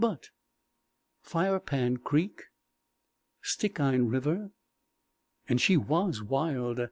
But Firepan Creek Stikine River.... And she was wild.